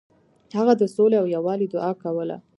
هغه د سولې او یووالي دعا کوله.